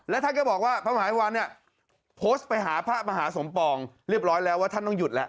แล้วท่านก็บอกว่าพระมหาวันเนี่ยโพสต์ไปหาพระมหาสมปองเรียบร้อยแล้วว่าท่านต้องหยุดแล้ว